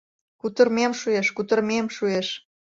Кутырымем шуэш, кутырымем шуэш